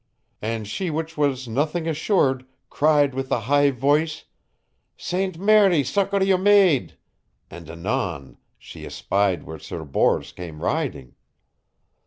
And she which was nothing assured cried with a high voice: 'Saint Mary succor your maid.' And anon she espied where Sir Bors came riding.